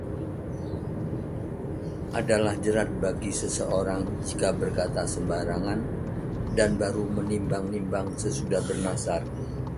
Adalah jerat bagi seseorang jika berkata sembarangan, dan baru menimbang-nimbang sesudah bernazar.